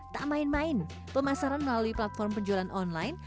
tak main main pemasaran melalui platform penjualan online